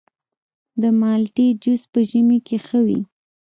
د مالټې جوس په ژمي کې ښه وي.